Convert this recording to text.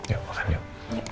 yuk makan yuk